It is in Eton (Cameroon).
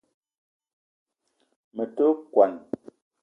Me te kwuan